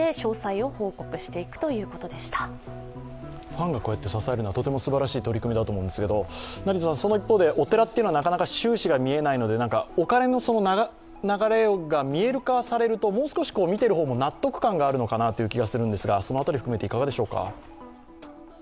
ファンが支えるのはとてもすばらしい取り組みだと思うんですけどもその一方で、お寺というのはなかなか収支が見えないので、お金の流れが見える化されるともう少し見ている方も納得感があるのかなと思うんですがその辺り含めていかがでしょうか？